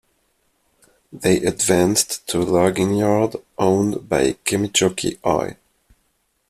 They advanced to a logging yard owned by Kemijoki Oy.